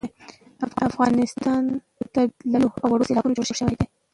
د افغانستان طبیعت له لویو او وړو سیلابونو جوړ شوی دی.